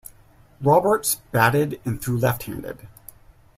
Roberts batted and threw left-handed.